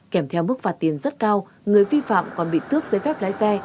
kèm theo mức phạt tiền rất cao người vi phạm còn bị tước giấy phép lái xe